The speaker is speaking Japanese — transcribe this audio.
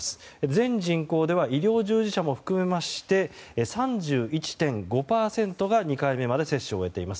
全人口では医療従事者も含めまして３１．５％が２回目まで接種を終えています。